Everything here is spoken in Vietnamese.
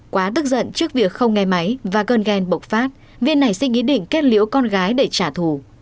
quá tức giận trước việc không nghe máy và gần ghen bộc phát viên này xin ý định kết liễu con gái để trả thù